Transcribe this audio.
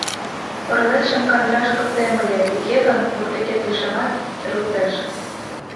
Оролетшым кандыраш кылдем ыле, уке гын, воктекет лишемат — керылтеш.